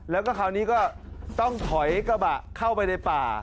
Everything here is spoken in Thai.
แล้วก็คราวนี้ก็ต้องถอยกระบะเข้าไปในป่า